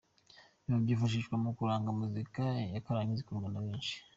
Ibyuma byifashishwa mu guranga muzika ya karahanyuze ikundwa na benshi.